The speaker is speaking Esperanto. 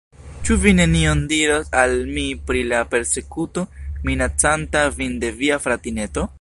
Ĉu vi nenion diros al mi pri la persekuto minacanta vin de via fratineto?